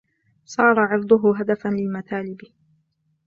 صَارَ عِرْضُهُ هَدَفًا لِلْمَثَالِبِ